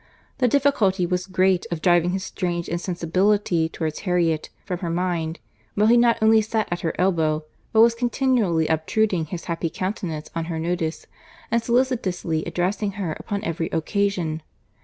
The difficulty was great of driving his strange insensibility towards Harriet, from her mind, while he not only sat at her elbow, but was continually obtruding his happy countenance on her notice, and solicitously addressing her upon every occasion.